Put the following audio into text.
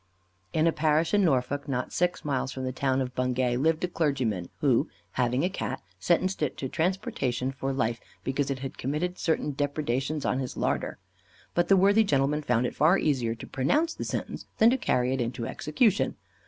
In a parish in Norfolk, not six miles from the town of Bungay, lived a clergyman, who, having a Cat, sentenced it to transportation for life because it had committed certain depredations on his larder. But the worthy gentleman found it far easier to pronounce the sentence than to carry it into execution.